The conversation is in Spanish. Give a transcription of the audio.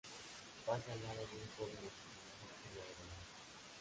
Pasa al lado de un joven asesinado en la vereda.